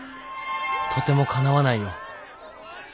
とてもかなわないよ。